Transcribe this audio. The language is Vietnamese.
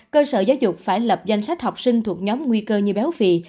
cơ sở giáo dục phải lập danh sách học sinh thuộc nhóm nguy cơ như béo phì